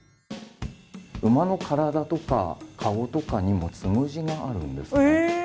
馬の体とか顔とかにもつむじがあるんです。